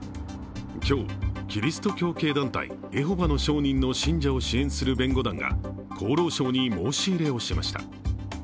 今日、キリスト教系団体、エホバの証人の信者を支援する弁護団が厚労省に申し入れをしました。